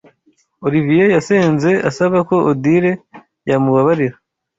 Olivier yasenze asaba ko Odile yamubabarira.